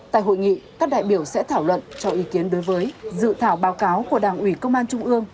tại hội nghị các đại biểu sẽ thảo luận cho ý kiến đối với dự thảo báo cáo của đảng ủy công an trung ương